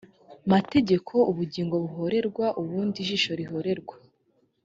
mategeko ubugingo buhorerwa ubundi ijisho rihorerwa